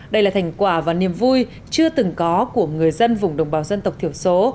đây là thành quả và niềm vui chưa từng có của người dân vùng đồng bào dân tộc thiểu số